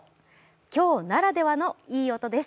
今日ならではのいい音です。